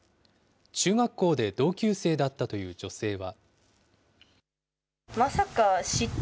中学校で同級生だったという女性は。